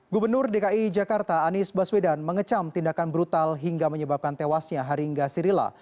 gubernur dki jakarta anies baswedan mengecam tindakan brutal hingga menyebabkan tewasnya haringga sirila